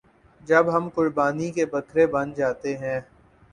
جب ہم قربانی کے بکرے بن جاتے ہیں۔